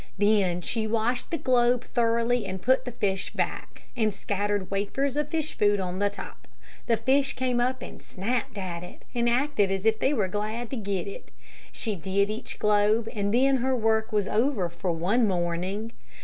Then she washed the globe thoroughly and put the fish back, and scattered wafers of fish food on the top. The fish came up and snapped at it, and acted as if they were glad to get it. She did each globe and then her work was over for one morning.